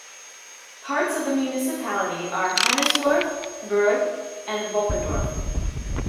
Parts of the municipality are Hannersdorf, Burg, and Woppendorf.